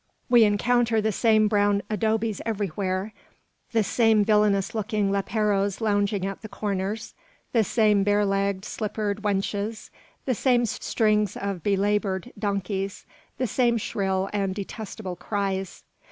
We encounter the same brown adobes everywhere; the same villainous looking leperos lounging at the corners; the same bare legged, slippered wenches; the same strings of belaboured donkeys; the same shrill and detestable cries.